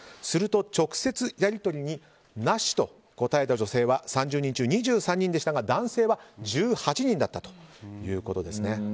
すると直接やり取りになしと答えた女性は３０人中２３人でしたが男性は１８人だったということです。